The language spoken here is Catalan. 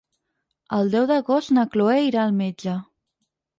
El deu d'agost na Cloè irà al metge.